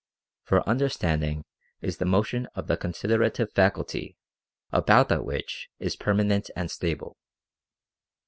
For understanding is the motion of the considerative faculty about that which is permanent and stable.